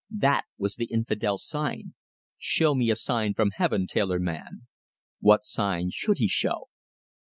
That was the infidel's sign. "Show me a sign from Heaven, tailor man!" What sign should he show?